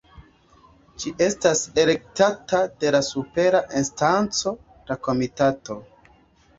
Ĝi estas elektata de la supera instanco, la Komitato.